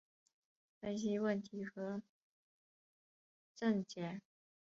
分析问题和症结